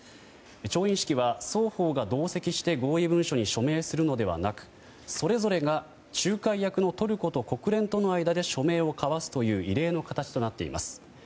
調印式は双方が同席して合意文書に署名するのではなくそれぞれが仲介役のトルコと国連との間で署名を交わすという異例の形となっています。